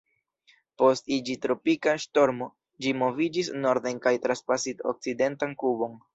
Post iĝi tropika ŝtormo, ĝi moviĝis norden kaj trapasis okcidentan Kubon.